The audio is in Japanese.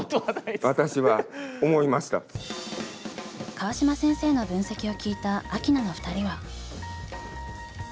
川島先生の分析を聞いたアキナの２人は？